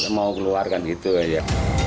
takut mau keluarkan gitu ya